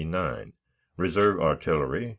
1,289 Reserve artillery .